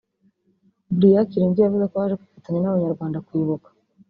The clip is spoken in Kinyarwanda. Brian Kirungi yavuze ko baje kwifatanya n’abanyarwanda kwibuka